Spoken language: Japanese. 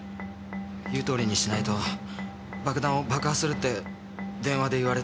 言う通りにしないと爆弾を爆破するって電話で言われて。